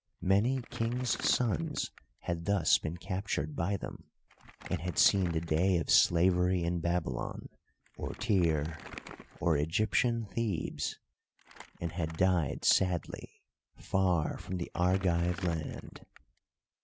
Many kings' sons had thus been captured by them, and had seen the day of slavery in Babylon, or Tyre, or Egyptian Thebes, and had died sadly, far from the Argive land.